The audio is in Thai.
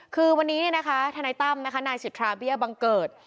คือวันนี้เนี่ยนะคะธนัยตั้มนะคะนายสิทธาเบียบังเกิด